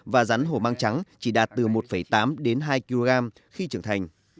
và rắn hổ mang trắng chỉ đạt từ một tám đến hai kg khi trưởng thành